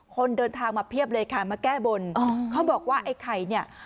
คนเดินทางมาเพียบเลยค่ะมาแก้บนอ๋อเขาบอกว่าไอ้ไข่เนี่ย